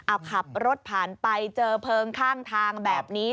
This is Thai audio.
เอาขับรถผ่านไปเจอเพลิงข้างทางแบบนี้